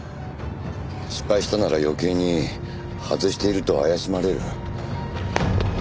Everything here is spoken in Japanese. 失敗したなら余計に外していると怪しまれる。